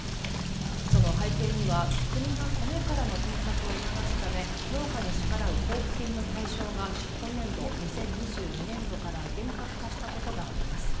その背景には国がコメからの転作を促すため農家に支払う交付金の対象が今年度２０２２年度から厳格化したことがあります。